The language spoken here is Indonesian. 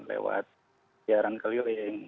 lewat siaran keliling